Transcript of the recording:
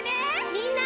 みんな！